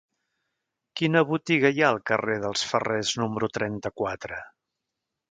Quina botiga hi ha al carrer dels Ferrers número trenta-quatre?